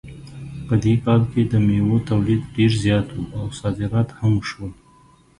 په دې کال کې د میوو تولید ډېر زیات و او صادرات هم وشول